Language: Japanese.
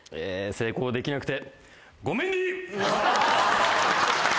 成功できなくて。